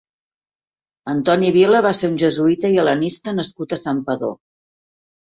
Antoni Vila va ser un jesuïta i hel·lenista nascut a Santpedor.